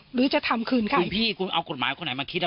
หรือจะทำคืนใครพี่คุณเอากฎหมายคนไหนมาคิด